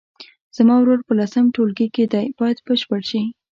زما ورور په لسم ټولګي کې دی باید بشپړ شي.